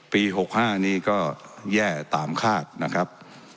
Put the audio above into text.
ปี๖๕นี้ก็แย่ตามคาดนะครับ